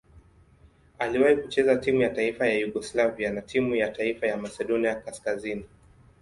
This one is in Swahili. Aliwahi kucheza timu ya taifa ya Yugoslavia na timu ya taifa ya Masedonia Kaskazini.